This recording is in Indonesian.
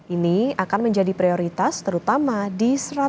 ini akan menjadi prioritas terutama di sejarah